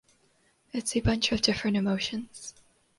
It's a bunch of different emotions.